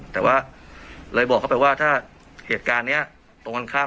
แต่ว่าเลยบอกเขาไปว่าถ้าเหตุการณ์นี้ตรงกันข้าม